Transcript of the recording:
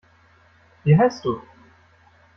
Wie heisst du?